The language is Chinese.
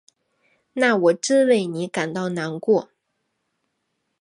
那我真为你感到难过。